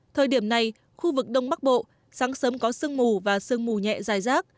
thời điểm này khu vực đông bắc bộ sáng sớm có sương mù và sương mù nhẹ dài rác